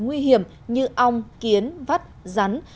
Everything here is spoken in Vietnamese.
nguy hiểm như ong kiến vắt rắn